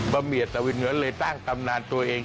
บะเมียตะวินเหมือนเลยตั้งตำนานตัวเอง